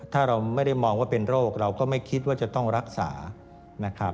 ถ้าเราไม่ได้มองว่าเป็นโรคเราก็ไม่คิดว่าจะต้องรักษานะครับ